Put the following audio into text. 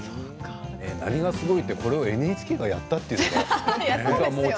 何がすごいって、これをＮＨＫでやったということですよ。